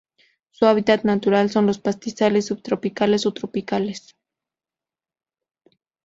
Su hábitat natural son los pastizales subtropicales o tropicales.